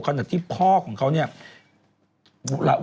ขนาดที่พ่อของเขา